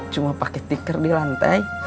cuma pakai tikar di lantai